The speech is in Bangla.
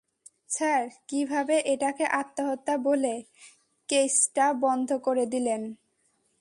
স্যার, কীভাবে এটাকে আত্মহত্যা বলে কেইসটা বন্ধ করে দিলেন?